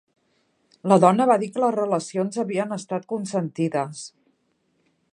La dona va dir que les relacions havien estat consentides